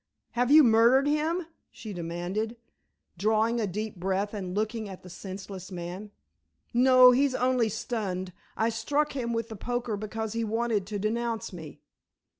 "Have you murdered him?" she demanded, drawing a deep breath and looking at the senseless man. "No, he's only stunned. I struck him with the poker because he wanted to denounce me."